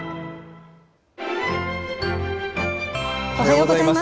おはようございます。